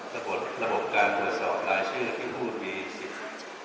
ระบบระบบการตรวจสอบรายชื่อที่พูดมีสิทธิ์